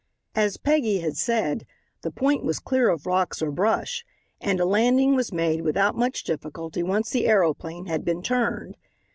As Peggy had said, the point was clear of rocks or brush, and a landing was made without much difficulty once the aeroplane had been turned.